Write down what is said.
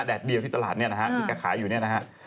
เดียวที่ตลาดเนี่ยนะฮะที่แกขายอยู่เนี่ยนะฮะ